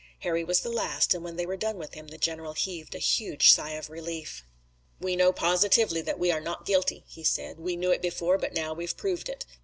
Harry was the last and when they were done with him the general heaved a huge sigh of relief. "We know positively that we are not guilty," he said. "We knew it before, but now we've proved it.